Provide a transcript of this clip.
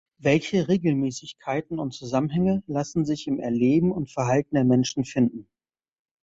Welche Regelmäßigkeiten und Zusammenhänge lassen sich im Erleben und Verhalten der Menschen finden?